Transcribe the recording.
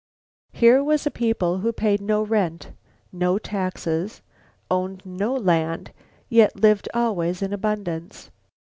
Here was a people who paid no rent, no taxes, owned no land yet lived always in abundance.